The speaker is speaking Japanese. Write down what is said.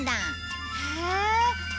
へえ。